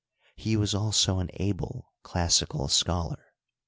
He was also an able classical scholar.